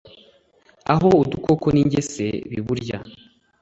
aho udukoko n ingese biburya